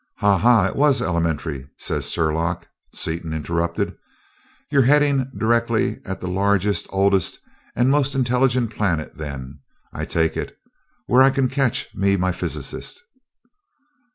"'Ha! ha! It was elementary,' says Sherlock." Seaton interrupted. "You're heading directly at that largest, oldest, and most intelligent planet, then, I take it, where I can catch me my physicist?"